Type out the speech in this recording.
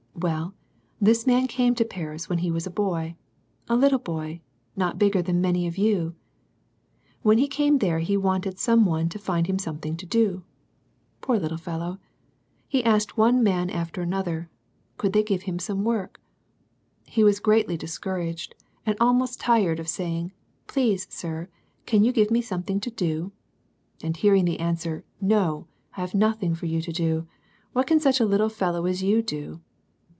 Well, this man came to Paris when he was a boy, a little boy, not bigger than many of you. When he came there he wanted some one to find him something lo Ao. "^ wi\\>SJ^^^s^^>ss^ ^ lOO SERMONS FOR CHILDREN. he asked one man after another, could they give him some work ? He was greatly discouraged, and almost tired of saying " Please, sir, can you give me something to do?" and hearing the answer, "No: I have nothing for you to doj what can such a little fellow as you do